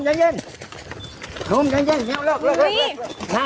ใจเย็นนุ่มนุ่มอ๋อทำไมอ่ะทำไมอ่ะนุ่มนุ่มนุ่ม